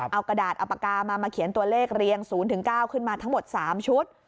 เอากระดาษเอาปากกามามาเขียนตัวเลขเรียง๐๙ขึ้นมาทั้งหมด๓ชุด